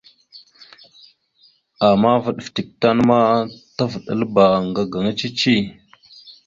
Ama vaɗ fətek tan ma tavəɗataləbáŋga cici tte.